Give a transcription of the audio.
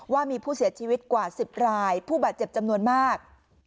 ว่ามีผู้เสียชีวิตกว่า๑๐รายผู้บาดเจ็บจำนวนมาก